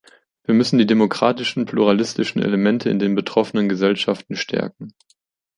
Wir müssen die demokratischen pluralistischen Elemente in den betroffenen Gesellschaften stärken.